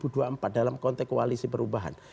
dalam konteks koalisi perubahan